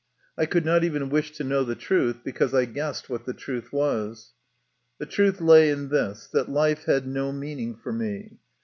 I could not even wish to know the truth, because I guessed what the truth was. The truth lay in this that life had no mean ing for me.